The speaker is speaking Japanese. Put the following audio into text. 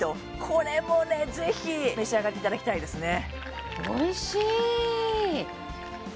これもねぜひ召し上がっていただきたいですね